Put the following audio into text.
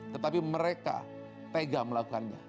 tetapi mereka tega melakukannya